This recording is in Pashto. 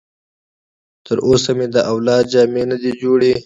تر اوسه مې د اولاد جامې نه دي جوړې.